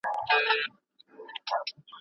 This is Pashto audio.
هغه د بدلون هڅه کوي.